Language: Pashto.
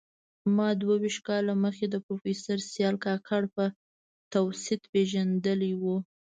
ما دوه ویشت کاله مخکي د پروفیسر سیال کاکړ په توسط پېژندلی و